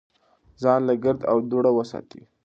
ځان له ګرد او دوړو وساتئ.